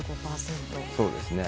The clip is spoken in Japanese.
そうですね。